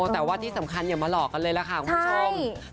แต่ว่าที่สำคัญอย่ามาหลอกกันเลยล่ะค่ะคุณผู้ชม